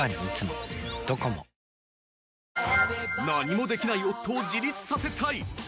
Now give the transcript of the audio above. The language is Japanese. ［何もできない夫を自立させたい］